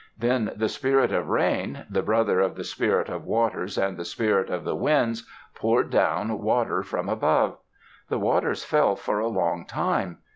Then the Spirit of Rain, the brother of the Spirit of Waters and the Spirit of the Winds, poured down water from above. The waters fell for a long time.